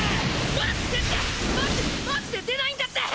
待ってマジで出ないんだって。